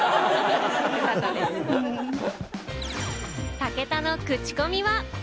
武田のクチコミは。